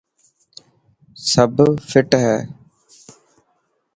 سب فٽ هي.